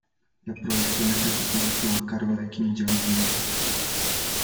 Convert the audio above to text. La producción ejecutiva estuvo a cargo de Kim Young-jin.